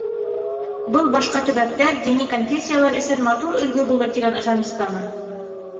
Был башҡа төбәктәр, дини конфессиялар өсөн матур өлгө булыр тигән ышаныстамын.